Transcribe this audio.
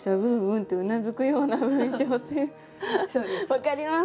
分かります！